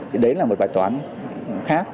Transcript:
thì đấy là một bài toán khác